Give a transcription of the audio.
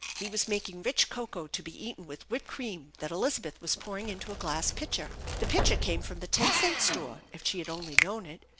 He was making rich cocoa to be eaten with whipped cream that Elizabeth was pouring into a glass pitcher; the pitcher came from the ten cent store if she had only known it.